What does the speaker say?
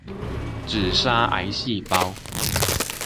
只殺癌細胞！